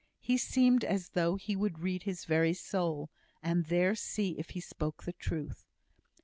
He seemed as though he would read his very soul, and there see if he spoke the truth.